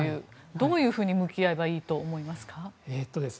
どういうふうに向き合えばいいと思いますか？